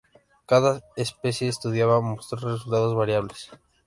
Cada especie estudiada mostró resultados variables.